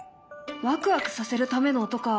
ワクワクさせるための音か。